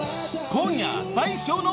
［今夜最初の］